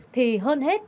thì hơn hết